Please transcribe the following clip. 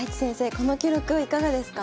この記録はいかがですか？